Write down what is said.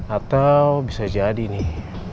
atau bisa jadi nih